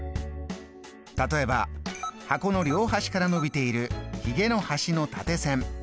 例えば箱の両端から伸びているひげの端の縦線。